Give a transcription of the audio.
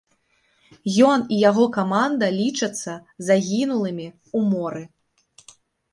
Ён і яго каманда лічацца загінулымі ў моры.